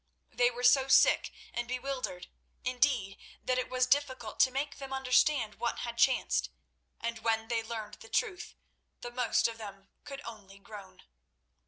They were so sick and bewildered, indeed, that it was difficult to make them understand what had chanced, and when they learned the truth, the most of them could only groan.